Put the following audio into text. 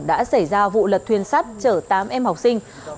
đã xảy ra vụ lật thuyền sắt chở tám em học sinh